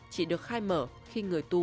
chỉ được khai mở khi người tu